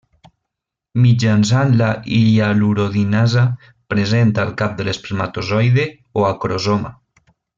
Mitjançant la hialuronidasa present al cap de l'espermatozoide o acrosoma.